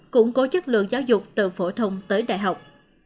củng cố chất lượng giáo dục từ phổ thông tới đại học